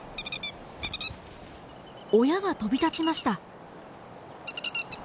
親が飛び立ちました。